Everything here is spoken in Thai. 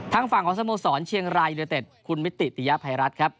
ทางฝั่งของสโมสรเชียงรายยูเนเต็ดคุณมิติติยภัยรัฐครับ